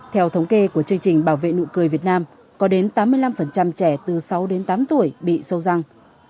theo thống kê của chương trình bảo vệ nụ cười việt nam có đến tám mươi năm trẻ từ sáu đến tám tuổi bị sâu răng